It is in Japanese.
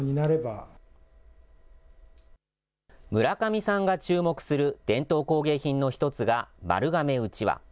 村上さんが注目する伝統工芸品の一つが丸亀うちわ。